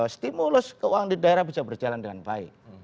stimulus keuangan di daerah bisa berjalan dengan baik